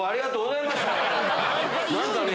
何かね